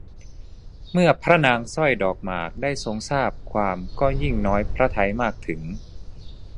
เมื่อพระนางสร้อยดอกหมากได้ทรงทราบความก็ยิ่งน้อยพระทัยมากถึง